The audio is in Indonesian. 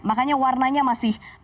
makanya warnanya masih belum menentukan